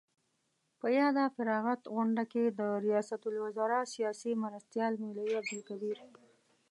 په یاده فراغت غونډه کې د ریاست الوزراء سیاسي مرستیال مولوي عبدالکبیر